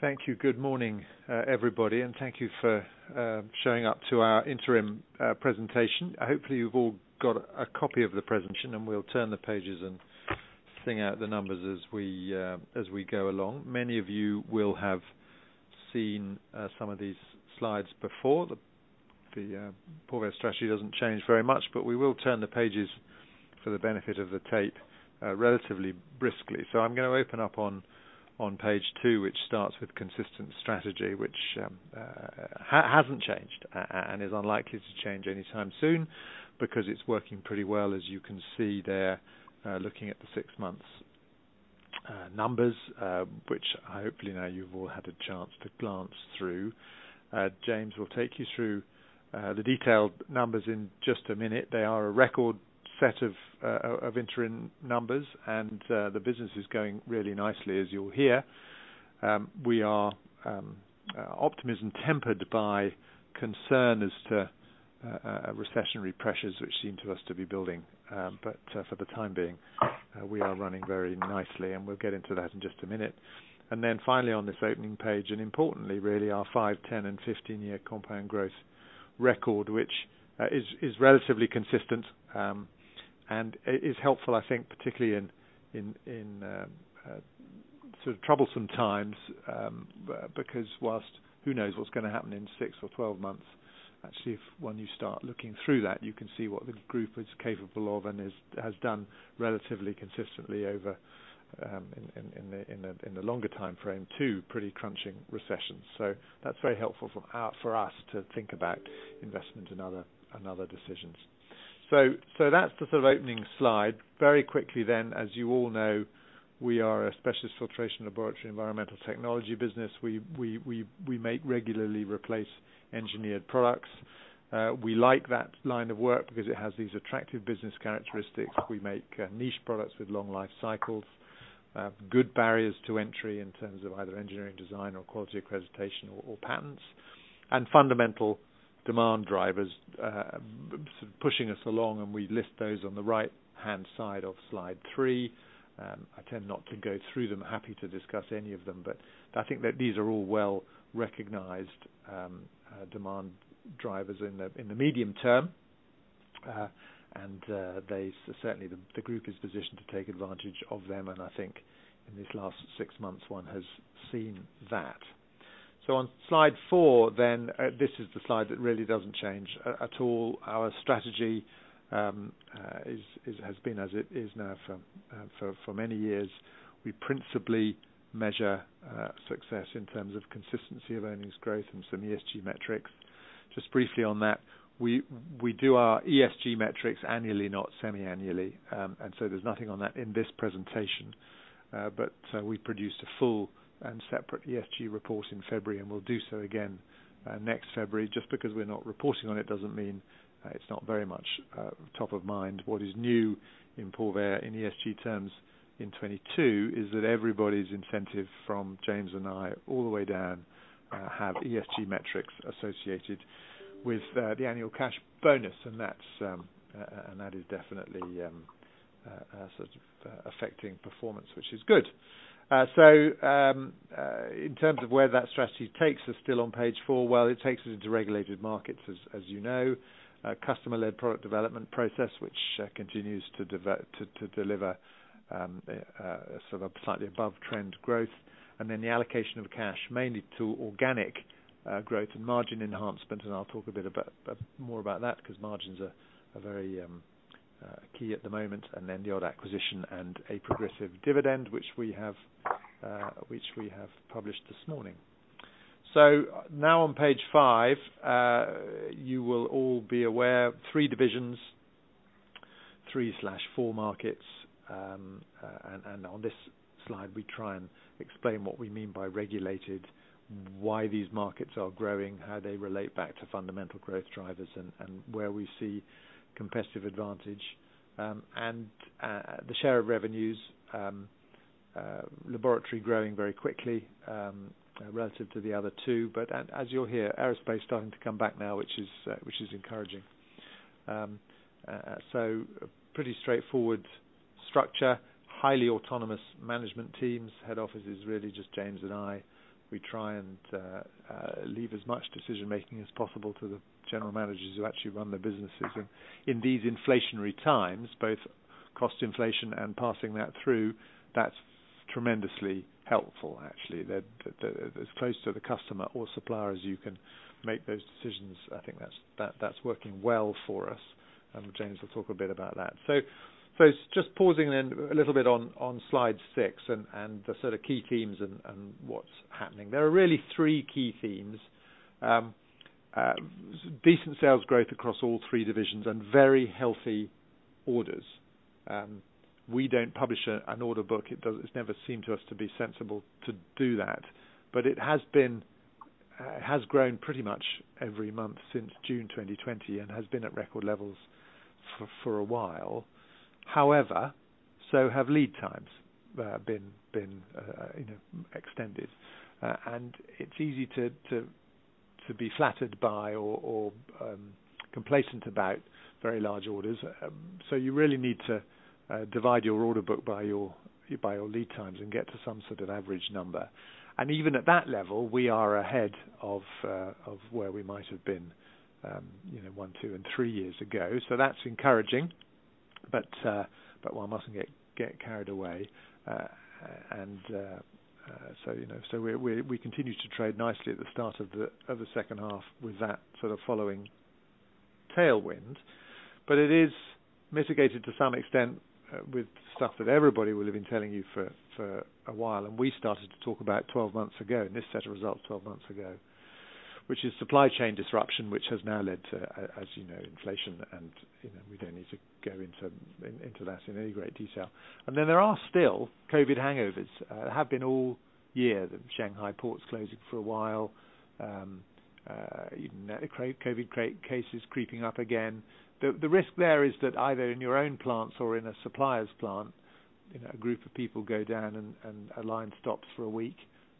Thank you. Good morning, everybody, and thank you for showing up to our interim presentation. Hopefully, you've all got a copy of the presentation, and we'll turn the pages and bring out the numbers as we go along. Many of you will have seen some of these slides before. The Porvair strategy doesn't change very much, but we will turn the pages for the benefit of the tape relatively briskly. I'm gonna open up on page 2, which starts with consistent strategy, which hasn't changed and is unlikely to change anytime soon because it's working pretty well, as you can see there, looking at the 6 months numbers, which hopefully now you've all had a chance to glance through. James will take you through the detailed numbers in just a minute. They are a record set of interim numbers and the business is going really nicely, as you'll hear. We are optimism tempered by concern as to recessionary pressures, which seem to us to be building. For the time being, we are running very nicely, and we'll get into that in just a minute. Then finally on this opening page, and importantly, really, our 5, 10, and 15-year compound growth record, which is relatively consistent, and is helpful, I think, particularly in sort of troublesome times, because while who knows what's gonna happen in 6 or 12 months, actually, when you start looking through that, you can see what the group is capable of and has done relatively consistently over in the longer timeframe, two pretty crunching recessions. That's very helpful for us to think about investment and other decisions. That's the sort of opening slide. Very quickly, as you all know, we are a specialist filtration laboratory, environmental technology business. We make regularly replaced engineered products. We like that line of work because it has these attractive business characteristics. We make niche products with long life cycles, good barriers to entry in terms of either engineering design or quality accreditation or patents, and fundamental demand drivers pushing us along, and we list those on the right-hand side of slide 3. I tend not to go through them. Happy to discuss any of them, but I think that these are all well-recognized demand drivers in the medium term. They certainly, the group is positioned to take advantage of them, and I think in this last six months, one has seen that. On slide 4 then, this is the slide that really doesn't change at all. Our strategy has been as it is now for many years. We principally measure success in terms of consistency of earnings growth and some ESG metrics. Just briefly on that, we do our ESG metrics annually, not semiannually. There's nothing on that in this presentation. We produce a full and separate ESG report in February, and we'll do so again next February. Just because we're not reporting on it doesn't mean it's not very much top of mind. What is new in Porvair in ESG terms in 2022 is that everybody's incentive from James and I all the way down have ESG metrics associated with the annual cash bonus. That is definitely sort of affecting performance, which is good. In terms of where that strategy takes us, still on page four, while it takes us into regulated markets as you know, a customer-led product development process, which continues to deliver sort of slightly above trend growth, and then the allocation of cash, mainly to organic growth and margin enhancement, and I'll talk a bit more about that because margins are very key at the moment, and then the odd acquisition and a progressive dividend, which we have published this morning. Now on page five, you will all be aware, three divisions, three or four markets. On this slide, we try and explain what we mean by regulated, why these markets are growing, how they relate back to fundamental growth drivers, and where we see competitive advantage. The share of revenues, Laboratory growing very quickly, relative to the other two. But as you'll hear, Aerospace starting to come back now, which is encouraging. Pretty straightforward structure, highly autonomous management teams. Head office is really just James and I. We try and leave as much decision-making as possible to the general managers who actually run the businesses. In these inflationary times, both cost inflation and passing that through, that's tremendously helpful actually. The as close to the customer or supplier as you can make those decisions, I think that's working well for us. James will talk a bit about that. Just pausing then a little bit on slide 6 and the sort of key themes and what's happening. There are really three key themes. Decent sales growth across all three divisions and very healthy orders. We don't publish an order book. It does. It's never seemed to us to be sensible to do that. It has grown pretty much every month since June 2020 and has been at record levels for a while. However, so have lead times that have been extended. It's easy to be flattered by or complacent about very large orders. You really need to divide your order book by your lead times and get to some sort of average number. Even at that level, we are ahead of where we might have been, you know, one, two and three years ago. That's encouraging. One mustn't get carried away. You know, we continue to trade nicely at the start of the second half with that sort of following tailwind. It is mitigated to some extent with stuff that everybody will have been telling you for a while, and we started to talk about 12 months ago, in this set of results 12 months ago, which is supply chain disruption, which has now led to, as you know, inflation and, you know, we don't need to go into that in any great detail. Then there are still COVID hangovers. Have been all year, the Shanghai ports closing for a while. You know, COVID cases creeping up again. The risk there is that either in your own plants or in a supplier's plant, you know, a group of people go down and a line stops for a week.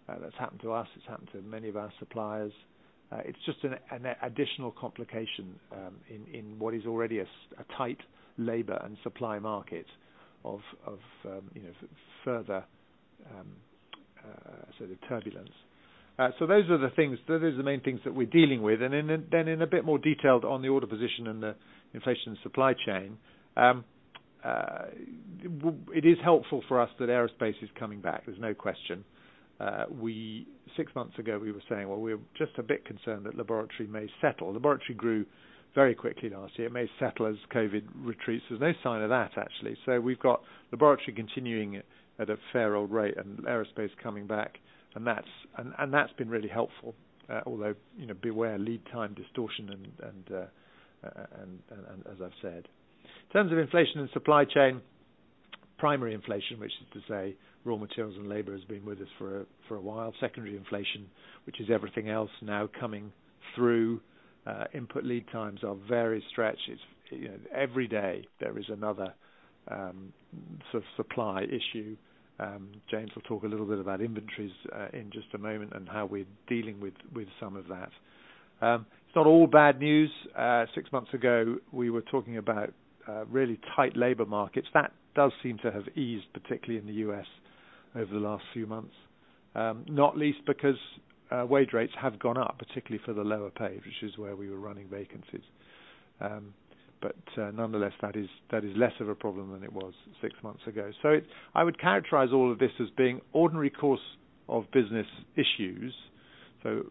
That's happened to us, it's happened to many of our suppliers. It's just an additional complication in what is already a tight labor and supply market of you know further sort of turbulence. Those are the things, those are the main things that we're dealing with. Then in a bit more detail on the order position and the inflation supply chain, it is helpful for us that Aerospace is coming back, there's no question. Six months ago we were saying, well, we're just a bit concerned that Laboratory may settle. Laboratory grew very quickly last year. It may settle as COVID retreats. There's no sign of that, actually. We've got Laboratory continuing at a fair old rate and Aerospace coming back, and that's been really helpful. Although, you know, beware lead time distortion and as I've said. In terms of inflation and supply chain, primary inflation, which is to say raw materials and labor, has been with us for a while. Secondary inflation, which is everything else now coming through. Input lead times are very stretched. It's, you know, every day there is another sort of supply issue. James will talk a little bit about inventories in just a moment and how we're dealing with some of that. It's not all bad news. Six months ago, we were talking about really tight labor markets. That does seem to have eased, particularly in the U.S., over the last few months. Not least because wage rates have gone up, particularly for the lower paid, which is where we were running vacancies. Nonetheless, that is less of a problem than it was six months ago. I would characterize all of this as being ordinary course of business issues,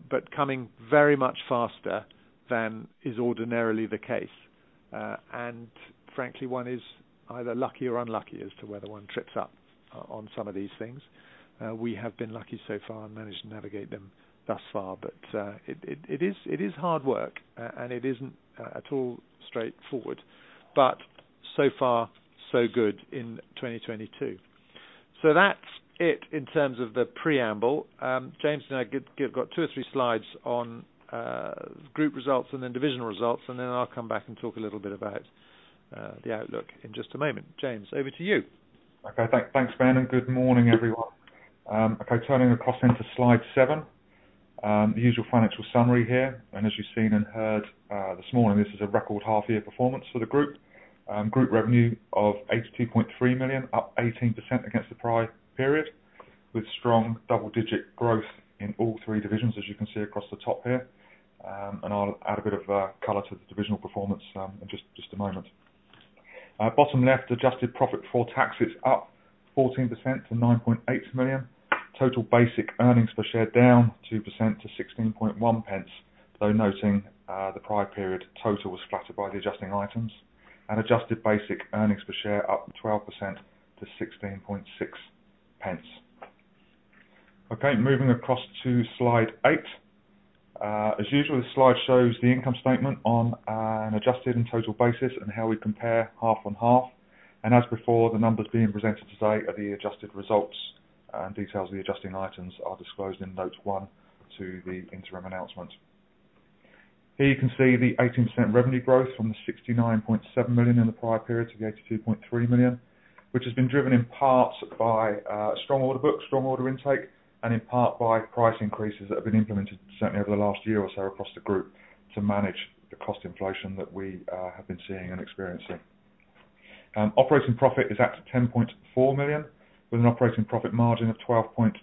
but coming very much faster than is ordinarily the case. Frankly, one is either lucky or unlucky as to whether one trips up on some of these things. We have been lucky so far and managed to navigate them thus far, but it is hard work, and it isn't at all straightforward, but so far, so good in 2022. That's it in terms of the preamble. James and I got two or three slides on group results and then divisional results, and then I'll come back and talk a little bit about the outlook in just a moment. James, over to you. Thanks, Ben, and good morning, everyone. Okay, turning across into slide 7, the usual financial summary here. As you've seen and heard this morning, this is a record half year performance for the group. Group revenue of 82.3 million, up 18% against the prior period, with strong double-digit growth in all three divisions, as you can see across the top here. I'll add a bit of color to the divisional performance in just a moment. Bottom left, adjusted profit for tax is up 14% to 9.8 million. Total basic earnings per share down 2% to 16.1 pence, though noting the prior period total was flattered by the adjusting items. Adjusted basic earnings per share up 12% to 16.6 pence. Okay, moving across to slide 8. As usual, this slide shows the income statement on an adjusted and total basis and how we compare half on half. As before, the numbers being presented today are the adjusted results, and details of the adjusting items are disclosed in note 1 to the interim announcement. Here you can see the 18% revenue growth from the 69.7 million in the prior period to the 82.3 million, which has been driven in part by strong order books, strong order intake, and in part by price increases that have been implemented certainly over the last year or so across the group to manage the cost inflation that we have been seeing and experiencing. Operating profit is at 10.4 million, with an operating profit margin of 12.7%.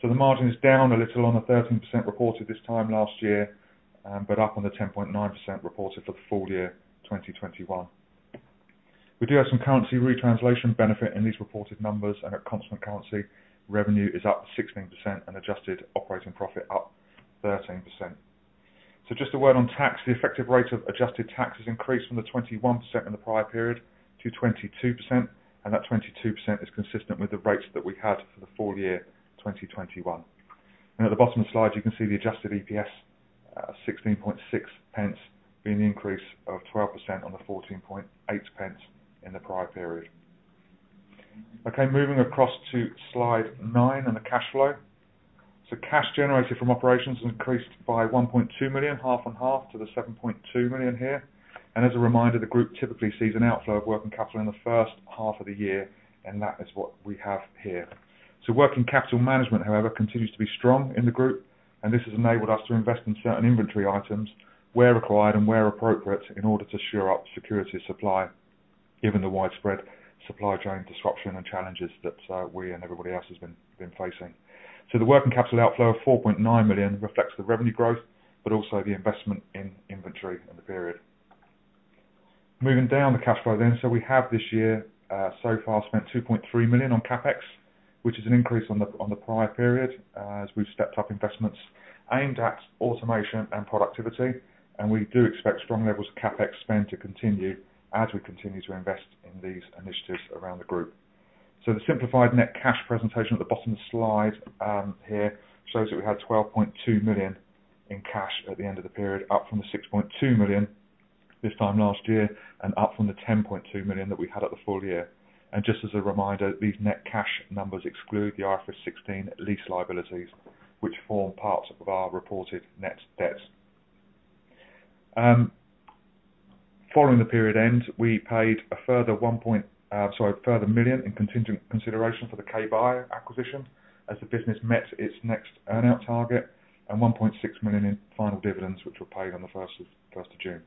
The margin is down a little on the 13% reported this time last year, but up on the 10.9% reported for the full year 2021. We do have some currency retranslation benefit in these reported numbers, and at constant currency, revenue is up 16% and adjusted operating profit up 13%. Just a word on tax. The effective rate of adjusted tax has increased from the 21% in the prior period to 22%, and that 22% is consistent with the rates that we had for the full year 2021. At the bottom of the slide, you can see the Adjusted EPS, 0.166, being an increase of 12% on the 0.148 in the prior period. Okay, moving across to slide 9 and the cash flow. Cash generated from operations increased by 1.2 million, half on half to 7.2 million here. As a reminder, the group typically sees an outflow of working capital in the first half of the year, and that is what we have here. Working capital management, however, continues to be strong in the group, and this has enabled us to invest in certain inventory items where required and where appropriate in order to shore up security of supply, given the widespread supply chain disruption and challenges that we and everybody else has been facing. The working capital outflow of 4.9 million reflects the revenue growth, but also the investment in inventory in the period. Moving down the cash flow then. We have this year so far spent 2.3 million on CapEx, which is an increase on the prior period as we've stepped up investments aimed at automation and productivity, and we do expect strong levels of CapEx spend to continue as we continue to invest in these initiatives around the group. The simplified net cash presentation at the bottom of the slide here shows that we had 12.2 million in cash at the end of the period, up from the 6.2 million this time last year and up from the 10.2 million that we had at the full year. Just as a reminder, these net cash numbers exclude the IFRS 16 lease liabilities, which form parts of our reported net debt. Following the period end, we paid a further 1 point... Sorry, a further 1 million in contingent consideration for the Kbiosystems acquisition as the business met its next earn-out target and 1.6 million in final dividends, which were paid on the first of June.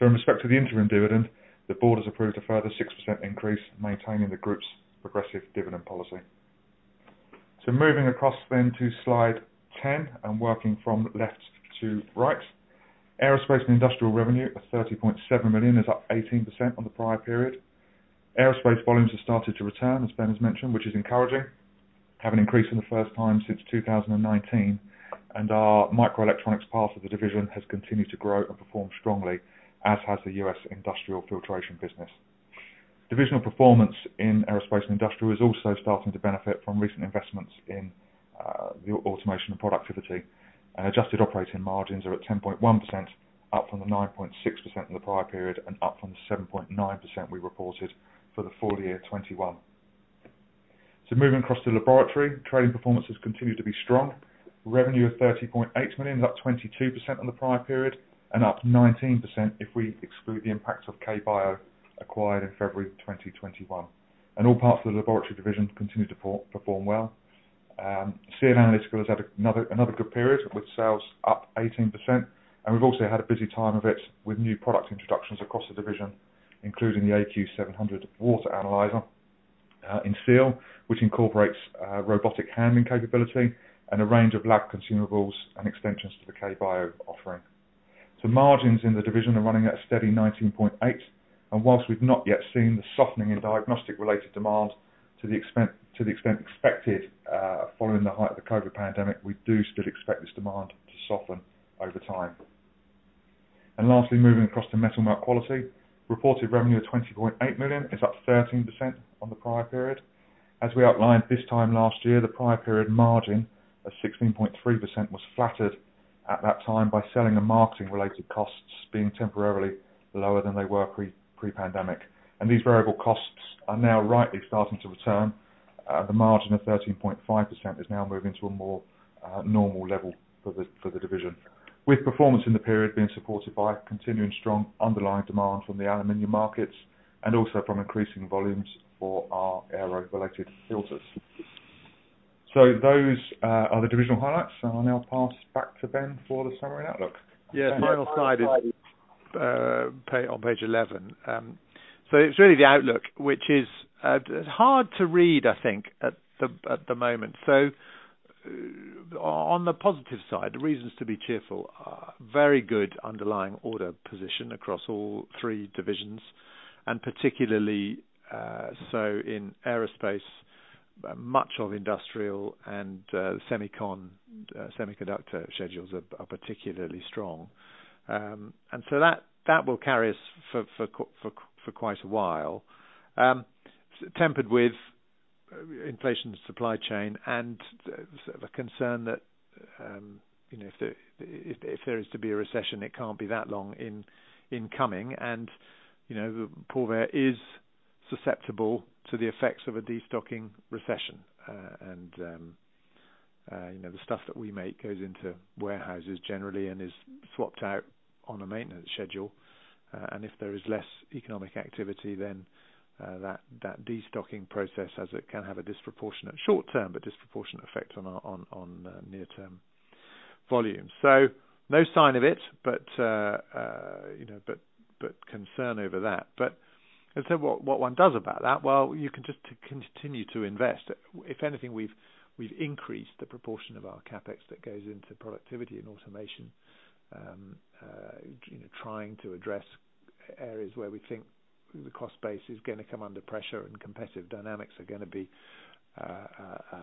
In respect to the interim dividend, the board has approved a further 6% increase, maintaining the group's progressive dividend policy. Moving across then to slide 10 and working from left to right. Aerospace & Industrial revenue of 30.7 million is up 18% on the prior period. Aerospace volumes have started to return, as Ben has mentioned, which is encouraging. We have an increase for the first time since 2019, and our microelectronics part of the division has continued to grow and perform strongly, as has the U.S. Industrial Filtration business. Divisional performance in Aerospace & Industrial is also starting to benefit from recent investments in the automation and productivity. Adjusted operating margins are at 10.1%, up from the 9.6% in the prior period and up from the 7.9% we reported for the full year 2021. Moving across to Laboratory, trading performance has continued to be strong. Revenue of 30.8 million, up 22% on the prior period and up 19% if we exclude the impacts of Kbiosystems acquired in February 2021. All parts of the Laboratory division continue to perform well. SEAL Analytical has had another good period, with sales up 18%, and we've also had a busy time of it with new product introductions across the division, including the AQ700 water analyzer in SEAL, which incorporates robotic handling capability and a range of lab consumables and extensions to the Kbiosystems offering. Margins in the division are running at a steady 19.8, and while we've not yet seen the softening in diagnostic-related demand to the extent expected following the height of the COVID pandemic, we do still expect this demand to soften over time. Lastly, moving across to Metal Melt Quality. Reported revenue of £20.8 million is up 13% on the prior period. As we outlined this time last year, the prior period margin of 16.3% was flattered at that time by selling and marketing related costs being temporarily lower than they were pre-pandemic. These variable costs are now rightly starting to return, the margin of 13.5% is now moving to a more normal level for the division, with performance in the period being supported by continuing strong underlying demand from the aluminum markets and also from increasing volumes for our aero-related filters. Those are the divisional highlights. I'll now pass back to Ben for the summary outlook. Yeah. Final slide is on page 11. It's really the outlook, which is hard to read, I think, at the moment. On the positive side, the reasons to be cheerful are very good underlying order position across all three divisions, and particularly so in Aerospace & Industrial and semiconductor schedules are particularly strong. That will carry us for quite a while, tempered with inflation and supply chain and the sort of a concern that, you know, if there is to be a recession, it can't be that long in coming. Porvair is susceptible to the effects of a destocking recession. You know, the stuff that we make goes into warehouses generally and is swapped out on a maintenance schedule. If there is less economic activity, then that destocking process as it can have a disproportionate short-term, but disproportionate effect on our near-term volume. No sign of it, but you know, concern over that. What one does about that? Well, you can just continue to invest. If anything, we've increased the proportion of our CapEx that goes into productivity and automation, you know, trying to address areas where we think the cost base is gonna come under pressure and competitive dynamics are gonna be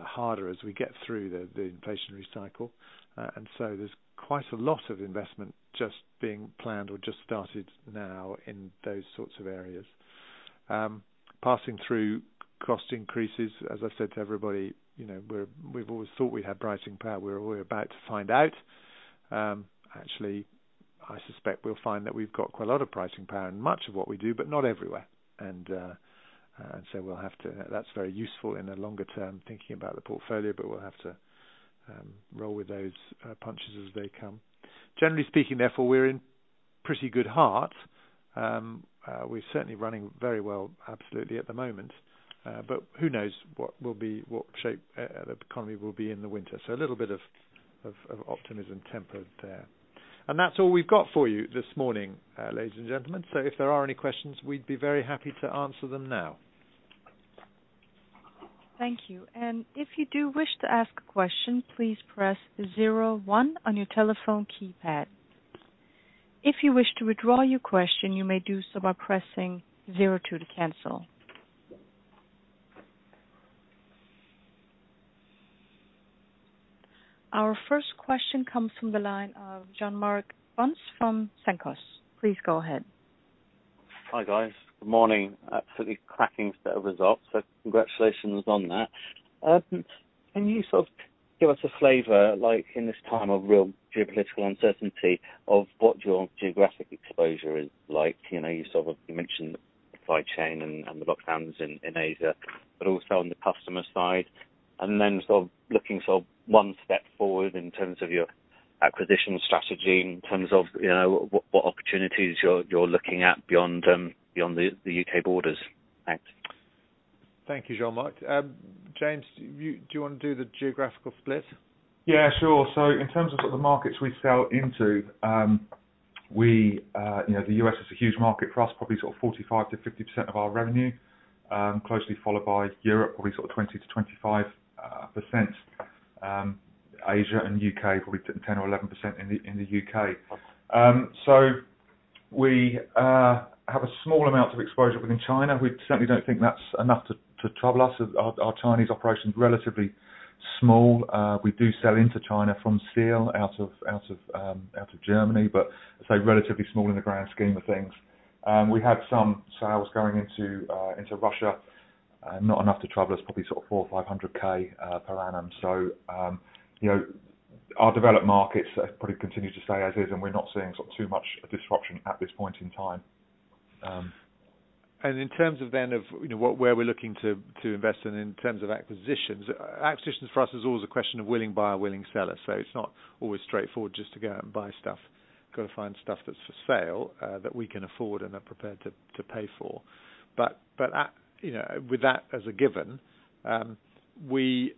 harder as we get through the inflationary cycle. There's quite a lot of investment just being planned or just started now in those sorts of areas. Passing through cost increases, as I said to everybody, you know, we've always thought we had pricing power. We're about to find out. Actually, I suspect we'll find that we've got quite a lot of pricing power in much of what we do, but not everywhere, and we'll have to. That's very useful in the longer term, thinking about the portfolio, but we'll have to roll with those punches as they come. Generally speaking, therefore, we're in pretty good heart. We're certainly running very well absolutely at the moment. But who knows what shape the economy will be in the winter. A little bit of optimism tempered there. That's all we've got for you this morning, ladies and gentlemen. If there are any questions, we'd be very happy to answer them now. Thank you. If you do wish to ask a question, please press zero one on your telephone keypad. If you wish to withdraw your question, you may do so by pressing zero two to cancel. Our first question comes from the line of John-Marc Bunce from Cenkos. Please go ahead. Hi guys. Good morning. Absolutely cracking set of results. Congratulations on that. Can you sort of give us a flavor, like in this time of real geopolitical uncertainty, of what your geographic exposure is like? You know, you mentioned supply chain and the lockdowns in Asia, but also on the customer side. Then sort of looking sort of one step forward in terms of your acquisition strategy, in terms of, you know, what opportunities you're looking at beyond the U.K. borders. Thanks. Thank you, John-Marc. James, do you wanna do the geographical split? Yeah, sure. In terms of sort of the markets we sell into, you know, the U.S. is a huge market for us, probably sort of 45%-50% of our revenue, closely followed by Europe, probably sort of 20%-25%. Asia and U.K., probably 10% or 11% in the U.K. We have a small amount of exposure within China. We certainly don't think that's enough to trouble us. Our Chinese operation's relatively small. We do sell into China from SEAL, out of Germany, but I'd say relatively small in the grand scheme of things. We have some sales going into Russia. Not enough to trouble us, probably sort of 400,000 or 500,000 per annum. You know, our developed markets probably continue to stay as is, and we're not seeing sort of too much disruption at this point in time. In terms of, you know, where we're looking to invest in terms of acquisitions. Acquisitions for us is always a question of willing buyer, willing seller. It's not always straightforward just to go out and buy stuff. Gotta find stuff that's for sale that we can afford and are prepared to pay for. At, you know, with that as a given, we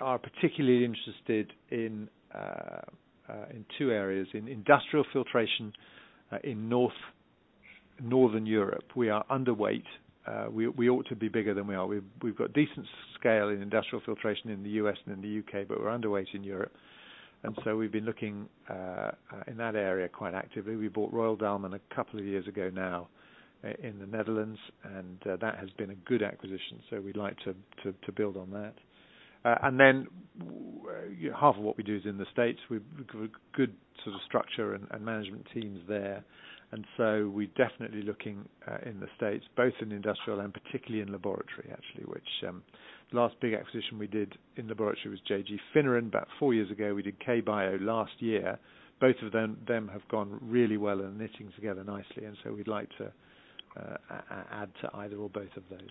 are particularly interested in two areas. In industrial filtration in northern Europe. We are underweight. We ought to be bigger than we are. We've got decent scale in industrial filtration in the U.S. and in the U.K., but we're underweight in Europe. We've been looking in that area quite actively. We bought Royal Dahlman a couple of years ago now in the Netherlands, and that has been a good acquisition. We'd like to build on that. You know, half of what we do is in the States. We've got good sort of structure and management teams there. We're definitely looking in the States, both in industrial and particularly in laboratory actually, which the last big acquisition we did in laboratory was J.G. Finneran about four years ago. We did Kbiosystems last year. Both of them have gone really well and are knitting together nicely, and we'd like to add to either or both of those.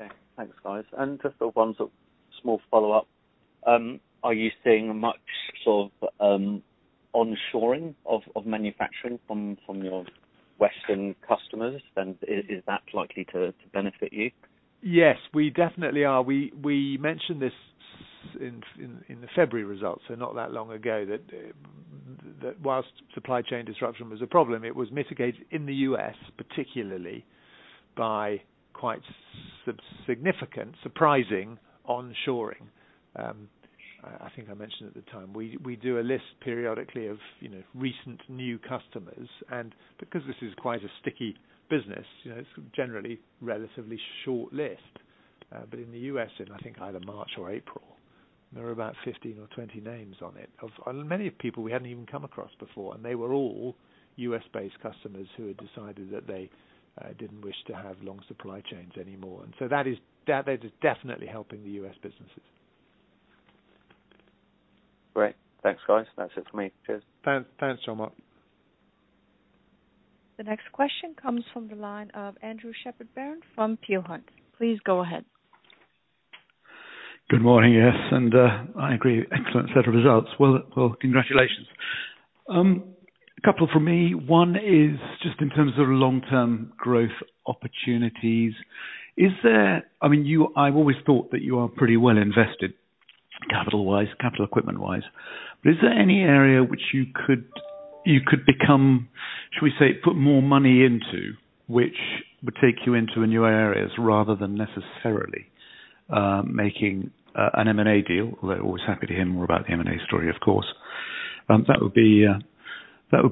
Okay. Thanks, guys. Just one sort of small follow-up. Are you seeing much sort of onshoring of manufacturing from your Western customers, and is that likely to benefit you? Yes, we definitely are. We mentioned this in the February results, so not that long ago that while supply chain disruption was a problem, it was mitigated in the U.S. particularly by quite significant, surprising onshoring. I think I mentioned at the time, we do a list periodically of, you know, recent new customers. Because this is quite a sticky business, you know, it's generally relatively short list. But in the U.S., I think either March or April, there were about 15 or 20 names on it, and many of the people we hadn't even come across before. They were all U.S.-based customers who had decided that they didn't wish to have long supply chains anymore. That is definitely helping the U.S. businesses. Great. Thanks, guys. That's it from me. Cheers. Thanks. Thanks, John-Marc. The next question comes from the line of Andrew Shepherd-Barron from Peel Hunt. Please go ahead. Good morning. Yes, I agree, excellent set of results. Well, congratulations. A couple from me. One is just in terms of long-term growth opportunities. Is there? I mean, I've always thought that you are pretty well invested capital-wise, capital equipment-wise. But is there any area which you could become, should we say, put more money into which would take you into the new areas rather than necessarily making an M&A deal? Although always happy to hear more about the M&A story, of course. That would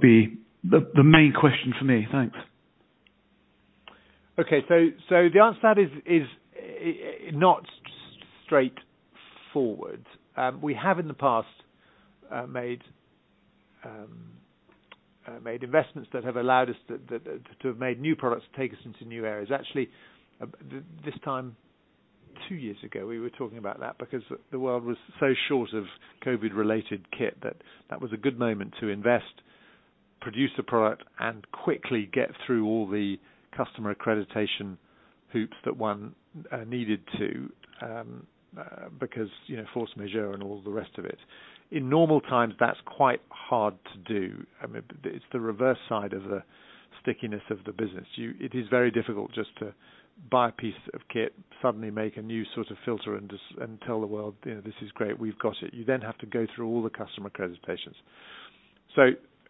be the main question for me. Thanks. The answer to that is not straightforward. We have in the past made investments that have allowed us to have made new products to take us into new areas. Actually, this time two years ago, we were talking about that because the world was so short of COVID-related kit that was a good moment to invest, produce the product and quickly get through all the customer accreditation hoops that one needed to because, you know, force majeure and all the rest of it. In normal times, that's quite hard to do. I mean, it's the reverse side of the stickiness of the business. It is very difficult just to buy a piece of kit, suddenly make a new sort of filter and tell the world, you know, "This is great. We've got it." You then have to go through all the customer accreditations.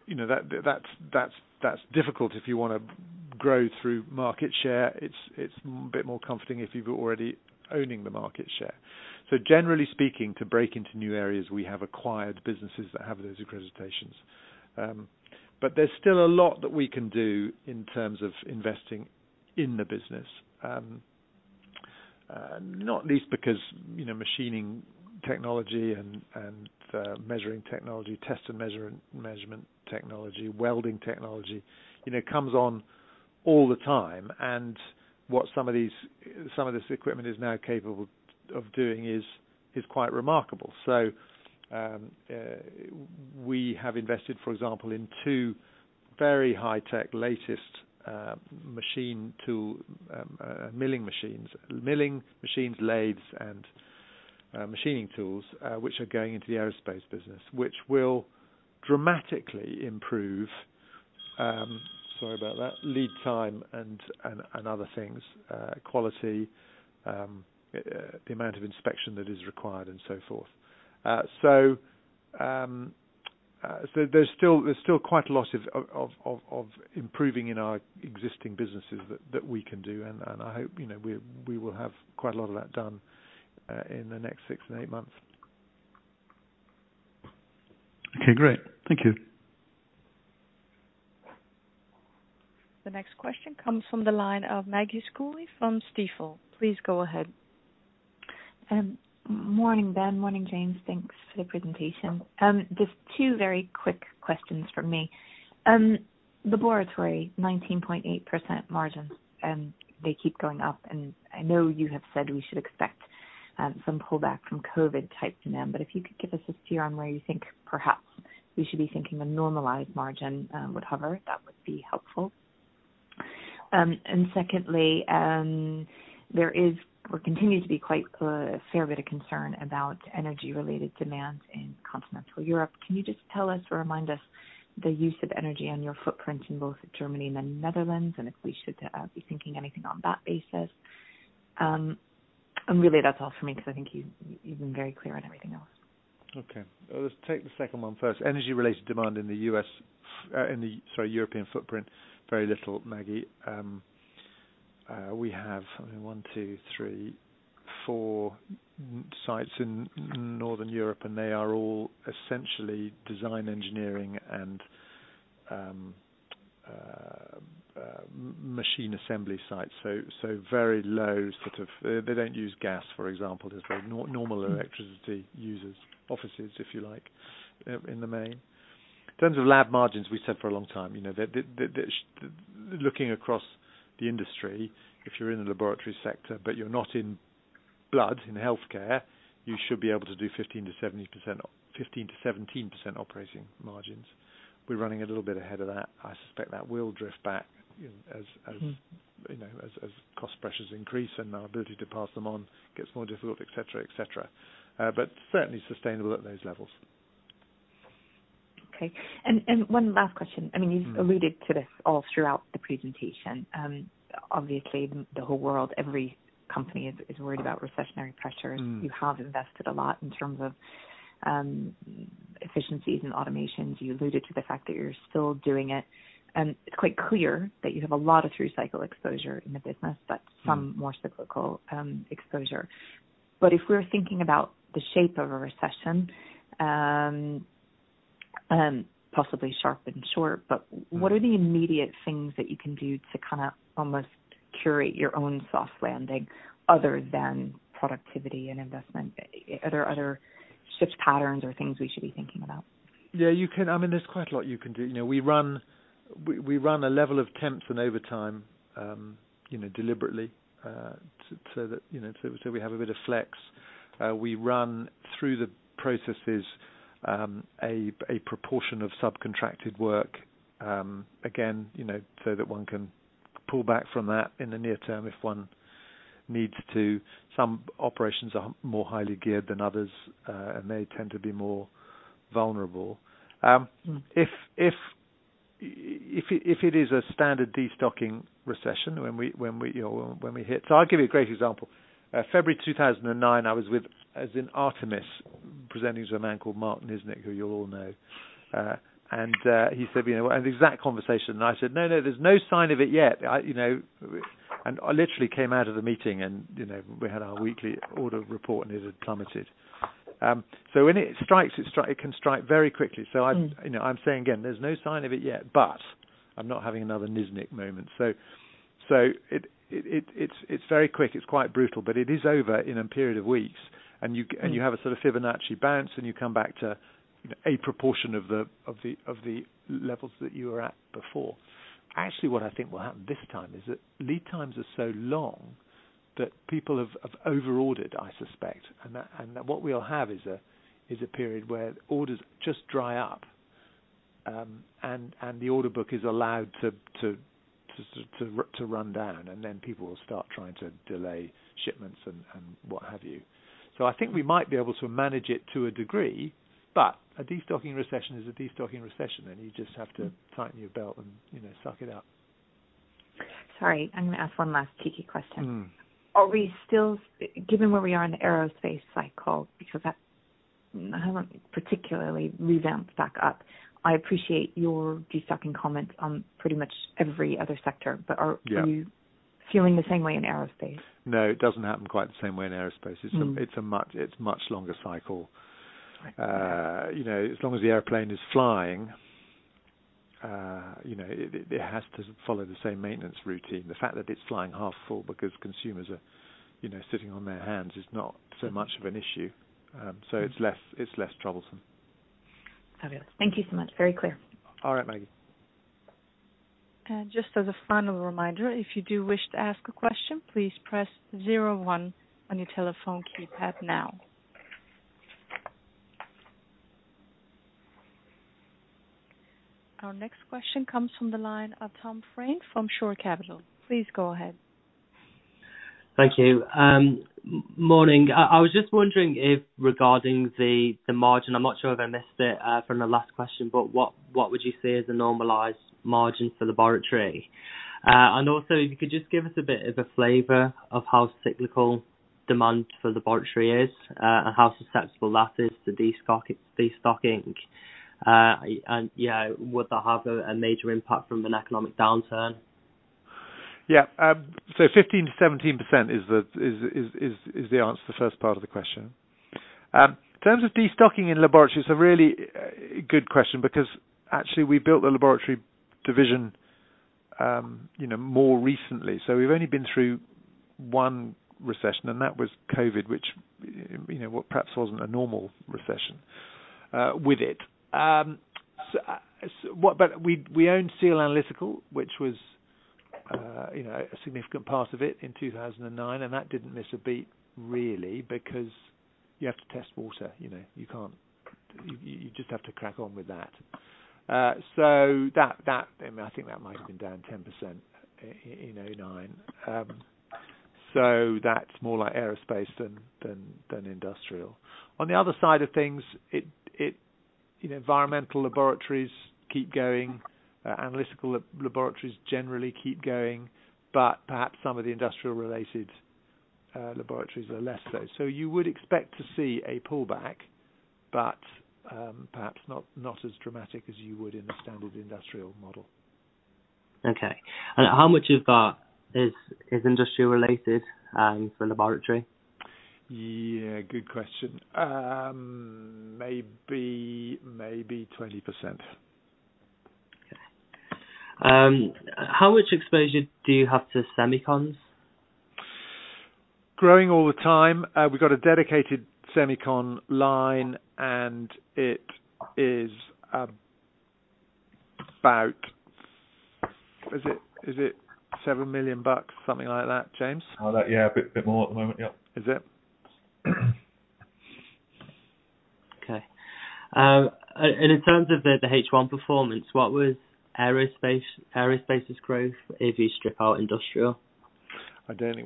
You know, that's difficult if you wanna grow through market share. It's a bit more comforting if you're already owning the market share. Generally speaking, to break into new areas, we have acquired businesses that have those accreditations. But there's still a lot that we can do in terms of investing in the business. Not least because, you know, machining technology and measuring technology, test and measure, measurement technology, welding technology, you know, comes on all the time. What some of this equipment is now capable of doing is quite remarkable. We have invested, for example, in two very high-tech latest machine tool milling machines. Milling machines, lathes and machining tools, which are going into the aerospace business. Which will dramatically improve lead time and other things, quality, the amount of inspection that is required and so forth. There's still quite a lot of improving in our existing businesses that we can do. I hope, you know, we will have quite a lot of that done in the next six to eight months. Okay. Great. Thank you. The next question comes from the line of Maggie Greer from Stifel. Please go ahead. Morning, Ben. Morning, James. Thanks for the presentation. Just two very quick questions from me. The Laboratory 19.8% margin, and they keep going up, and I know you have said we should expect some pullback from COVID times in them. If you could give us a view on where you think perhaps we should be thinking a normalized margin would hover, that would be helpful. Secondly, there is or continues to be quite a fair bit of concern about energy-related demands in continental Europe. Can you just tell us or remind us the use of energy on your footprint in both Germany and the Netherlands, and if we should be thinking anything on that basis? Really that's all for me, because I think you've been very clear on everything else. Okay. Let's take the second one first. Energy-related demand in the U.S., in the European footprint. Very little, Maggie. We have 1, 2, 3, 4 sites in Northern Europe, and they are all essentially design, engineering and machine assembly sites. Very low sort of. They don't use gas, for example. There's very normal electricity users. Offices, if you like, in the main. In terms of lab margins, we said for a long time, you know, that. Looking across the industry, if you're in the laboratory sector, but you're not in blood, in healthcare, you should be able to do 15%-17% operating margins. We're running a little bit ahead of that. I suspect that will drift back. You know, as cost pressures increase and our ability to pass them on gets more difficult, et cetera, et cetera. Certainly sustainable at those levels. Okay. One last question. I mean, you've alluded to this all throughout the presentation. Obviously the whole world, every company is worried about recessionary pressures. You have invested a lot in terms of efficiencies and automations. You alluded to the fact that you're still doing it, and it's quite clear that you have a lot of through cycle exposure in the business. Some more cyclical exposure. If we're thinking about the shape of a recession, and possibly sharp and short. What are the immediate things that you can do to kinda almost curate your own soft landing other than productivity and investment? Are there other shift patterns or things we should be thinking about? Yeah, you can. I mean, there's quite a lot you can do. We run a level of temps and overtime deliberately so that we have a bit of flex. We run through the processes a proportion of subcontracted work again so that one can pull back from that in the near term if one needs to. Some operations are more highly geared than others and they tend to be more vulnerable. If it is a standard de-stocking recession, when we hit. I'll give you a great example. February 2009, I was with, as in Artemis, presenting to a man called Mark Niznik, who you all know. He said, you know, and the exact conversation. I said, "No, no, there's no sign of it yet." I, you know, and I literally came out of the meeting and, you know, we had our weekly order report and it had plummeted. When it strikes, it can strike very quickly. I'm, you know, I'm saying again, there's no sign of it yet, but I'm not having another Niznik moment. It's very quick, it's quite brutal, but it is over in a period of weeks and you g- You have a sort of Fibonacci bounce and you come back to a proportion of the levels that you were at before. Actually, what I think will happen this time is that lead times are so long that people have over-ordered, I suspect, and what we'll have is a period where orders just dry up. And the order book is allowed to run down, and then people will start trying to delay shipments and what have you. I think we might be able to manage it to a degree, but a de-stocking recession is a de-stocking recession, and you just have to tighten your belt and, you know, suck it up. Sorry, I'm gonna ask one last tricky question. Given where we are in the aerospace cycle, because that hasn't particularly ramped back up, I appreciate your destocking comment on pretty much every other sector. Are you feeling the same way in Aerospace? No, it doesn't happen quite the same way in aerospace. It's a much longer cycle. You know, as long as the airplane is flying, you know, it has to follow the same maintenance routine. The fact that it's flying half full because consumers are, you know, sitting on their hands is not so much of an issue. It's less troublesome. Fabulous. Thank you so much. Very clear. All right, Maggie. Just as a final reminder, if you do wish to ask a question, please press zero one on your telephone keypad now. Our next question comes from the line of Tom Fraine from Shore Capital. Please go ahead. Thank you. Morning. I was just wondering if regarding the margin, I'm not sure if I missed it from the last question, but what would you say is the normalized margin for Laboratory? And also if you could just give us a bit of a flavor of how cyclical demand for Laboratory is, and how susceptible that is to de-stocking. And you know, would that have a major impact from an economic downturn? 15%-17% is the answer to the first part of the question. In terms of destocking in Laboratory, it's a really good question because actually we built the Laboratory division, you know, more recently. We've only been through one recession, and that was COVID, which, you know, perhaps wasn't a normal recession with it. We own SEAL Analytical, which was, you know, a significant part of it in 2009, and that didn't miss a beat really because you have to test water, you know. You just have to crack on with that. That, I mean, I think that might have been down 10% in 2009. That's more like Aerospace than Industrial. On the other side of things, it. You know, environmental laboratories keep going, analytical laboratories generally keep going, but perhaps some of the industrial related laboratories are less so. You would expect to see a pullback, but, perhaps not as dramatic as you would in a standard industrial model. Okay. How much of that is industry related for laboratory? Yeah. Good question. Maybe 20%. How much exposure do you have to semiconductors? Growing all the time. We've got a dedicated semiconductor line, and it is about GBP 7 million, something like that, James? Oh, that? Yeah, a bit more at the moment. Yep. Is it? Okay. In terms of the H1 performance, what was Aerospace's growth if you strip out Industrial? I don't think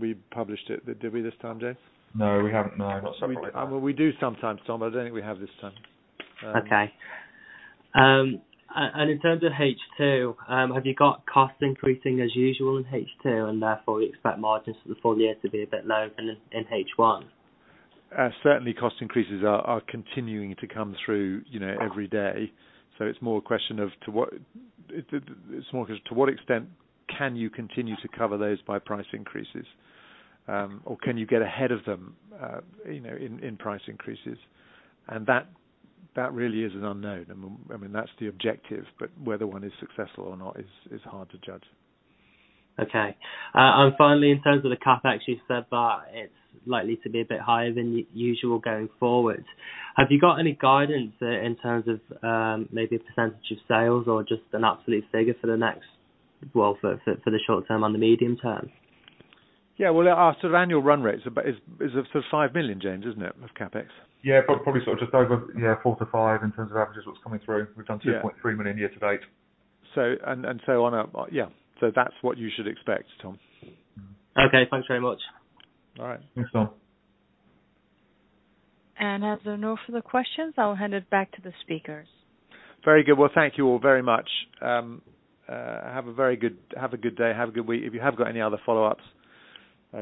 we published it. Did we this time, James? No, we haven't. No, not something like that. We do sometimes, Tom. I don't think we have this time. In terms of H2, have you got costs increasing as usual in H2 and therefore you expect margins for the full year to be a bit low in H1? Certainly cost increases are continuing to come through, you know, every day. It's more a question, to what extent can you continue to cover those by price increases? Can you get ahead of them, you know, in price increases? That really is an unknown. I mean, that's the objective, but whether one is successful or not is hard to judge. Okay. Finally, in terms of the CapEx, you said that it's likely to be a bit higher than usual going forward. Have you got any guidance in terms of, maybe a percentage of sales or just an absolute figure for the short term and the medium term? Yeah. Well, our sort of annual run rate is about sort of 5 million, James, isn't it, of CapEx? Yeah. Probably sort of just over, yeah, 4-5 in terms of averages, what's coming through. Yeah. We've done 2.3 million year to date. that's what you should expect, Tom. Okay. Thanks very much. All right. Thanks, Tom. As there are no further questions, I'll hand it back to the speakers. Very good. Well, thank you all very much. Have a good day, have a good week. If you have got any other follow-ups,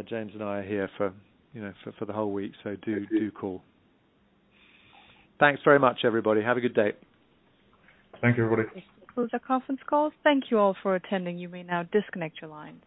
James and I are here for the whole week, so do call. Thank you. Thanks very much, everybody. Have a good day. Thank you, everybody. This concludes our conference call. Thank you all for attending. You may now disconnect your line.